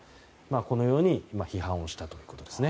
このように批判をしたということですね。